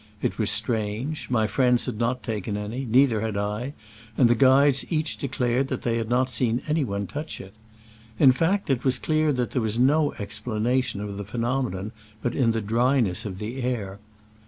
It was strange : my friends had not taken any, neither had I, and the guides each declared that they had not seen any one touch it. In fact, it was clear that there was no explanation of the phenomenon but in the dryness of the air.